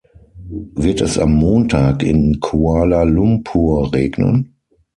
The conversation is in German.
Wird es am Montag in Kuala Lumpur regnen?